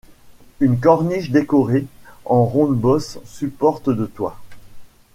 Une corniche décorée en ronde-bosse supporte de toit.